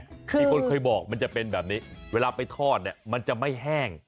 มีคนเคยบอกมันจะเป็นแบบนี้เวลาไปทอดเนี่ยมันจะไม่แห้ง